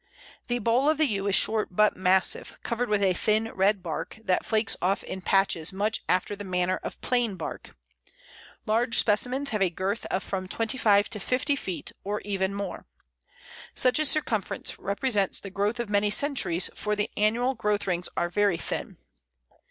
The bole of the Yew is short but massive, covered with a thin red bark, that flakes off in patches much after the manner of Plane bark. Large specimens have a girth of from twenty five to fifty feet or even more. Such a circumference represents the growth of many centuries, for the annual growth rings are very thin.